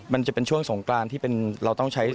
มันจะเป็นช่วงสงกรานที่เราต้องใช้